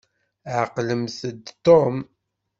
Ɛqlemt-d Tom.